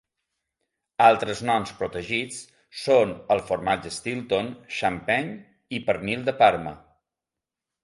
Altres noms protegits són el formatge Stilton, Champagne i pernil de Parma.